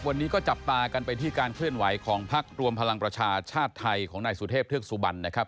วันนี้ก็จับตากันไปที่การเคลื่อนไหวของพักรวมพลังประชาชาติไทยของนายสุเทพเทือกสุบันนะครับ